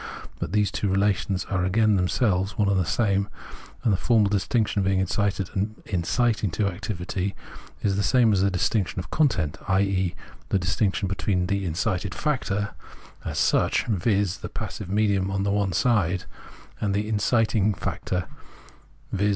But these two relations are again themselves one and the same, and the formal distinction of being incited and of inciting to activity, is the same as the distinction of content, i.e. the distinc tion between the incited factor as such, viz. the passive medium, on the one side, and the inciting factor, viz.